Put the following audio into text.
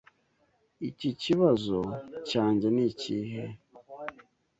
Iki kibazo cyanjye nikihe?